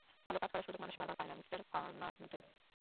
ভালো কাজ করার সুযোগ মানুষ বারবার পায় না, মিস্টার ফার্নান্ডেজ।